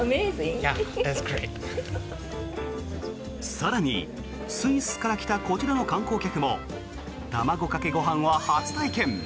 更にスイスから来たこちらの観光客も卵かけご飯は初体験。